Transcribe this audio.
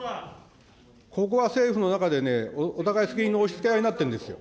ここは政府の中でね、お互い責任の押しつけ合いになってるんですよ。